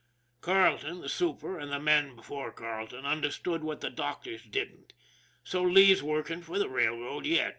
Carleton, the super, and the men before Carleton, understood what the doctors didn't, so Lee's working for the railroad yet.